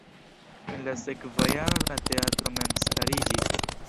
En la sekva jaro la teatro memstariĝis.